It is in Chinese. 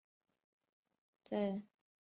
在楚庄王时期任主管进谏的箴尹。